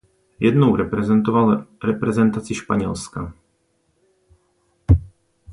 Jednou reprezentoval reprezentaci Španělska.